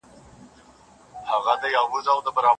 که ته ادبي علوم ونه لولې نو څېړنه نسې کولای.